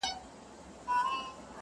جانانه څوک ستا د زړه ورو قدر څه پیژني،